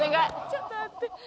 ちょっと待って。